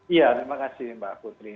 iya terima kasih mbak putri